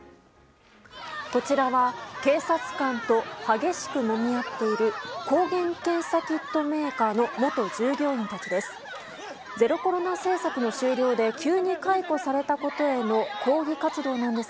こちらは、警察官と激しくもみ合っている抗原検査キットメーカーの元従業員たちです。